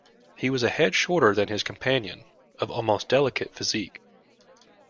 He was a head shorter than his companion, of almost delicate physique.